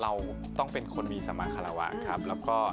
เราต้องเป็นคนมีสมาฆารวค